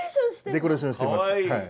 デコレーションしてます。